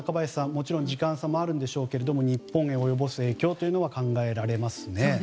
もちろん時間差もあるでしょうが日本へ及ぼす影響が考えられますね。